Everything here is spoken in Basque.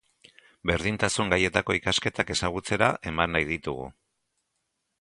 Berdintasun gaietako ikasketak ezagutzera eman nahi ditugu.